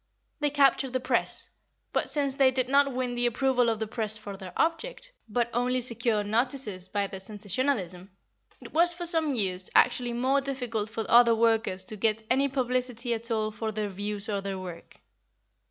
They captured the press, but, since they did not win the approval of the press for their object, but only secured notices by their sensationalism, it was, for some years, actually more difficult for other workers to get any publicity at all for their views or their work.